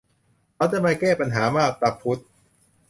เขาจะมาแก้ปัญหามาบตาพุด